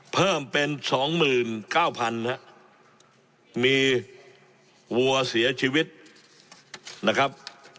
เพิ่มเป็น๒๙๐๐นะครับมีวัวเสียชีวิตนะครับ